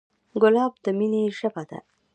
ګلاب د مینې ژبه ده.